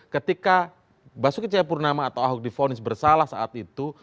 ketika basuki cahaya purnama atau ahok divonis bersalah saat itu